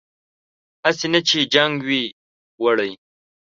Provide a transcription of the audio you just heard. هسې نه چې جنګ وي وړی